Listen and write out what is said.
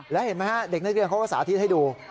แล้วเห็นไหมฮะเด็กนักเรียนเขาก็สาธิตให้ดู